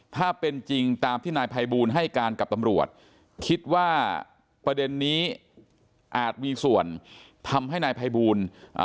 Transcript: ถ้าเป็นจริงตามที่นายภัยบูลให้การกับตำรวจคิดว่าประเด็นนี้อาจมีส่วนทำให้นายภัยบูลอ่า